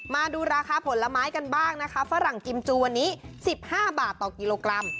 มาดูราคาผลไม้กันบ้างนะคะฝรั่งกิมจูวันนี้๑๕บาทต่อกิโลกรัม